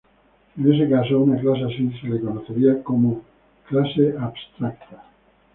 En ese caso, a una clase así se la conocería como "Clase Abstracta".